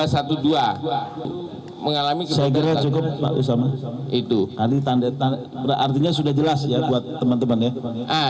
saya kira cukup pak usama itu artinya sudah jelas ya buat teman teman ya